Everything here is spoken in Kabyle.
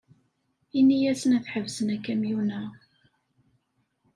Ini-asen ad ḥebsen akamyun-a.